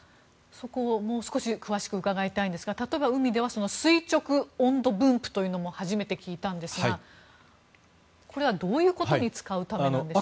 そこをもう少し詳しく伺いたいんですが例えば海では垂直温度分布というのも初めて聞いたんですがこれはどういうことに使うためなんでしょう。